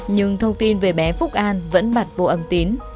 nhưng thông tin về bé phúc an vẫn bật vô âm tín